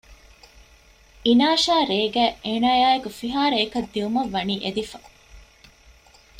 އިނާޝާ ރޭގައި އޭނައާއި އެކު ފިހާރަޔަކަށް ދިއުމަށްވަނީ އެދިފަ